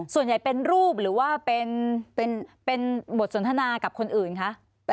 ส่วนใหญ่เป็นรูปหรือว่าเป็นบทสนทนากับคนอื่นคะ